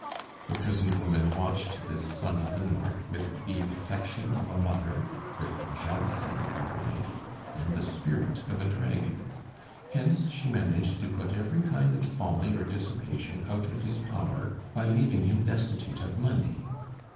The peasant woman watched this son of the North with the affection of a mother, with the jealousy of a wife, and the spirit of a dragon; hence she managed to put every kind of folly or dissipation out of his power by leaving him destitute of money.